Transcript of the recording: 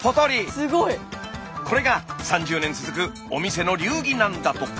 すごい！これが３０年続くお店の流儀なんだとか。